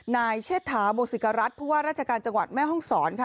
นายเชษฐาโบสิกรัฐผู้ว่าราชการจังหวัดแม่ห้องศรค่ะ